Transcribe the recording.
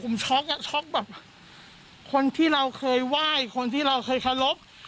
ผมช็อกอ่ะช็อกแบบคนที่เราเคยไหว้คนที่เราเคยเคารพ